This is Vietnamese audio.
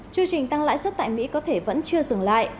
chương trình tăng lãi suất tại mỹ có thể vẫn chưa dừng lại